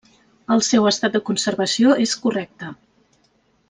El seu estat de conservació és correcte.